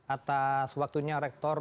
atas waktunya rektor